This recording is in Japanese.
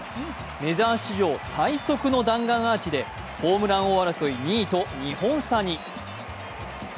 メジャー史上最速の弾丸アーチでホームラン王争い２位と２本差に。